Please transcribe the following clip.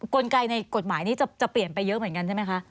กลไกในกฎหมายนี้จะเปลี่ยนไปเยอะเหมือนกันใช่ไหมคะ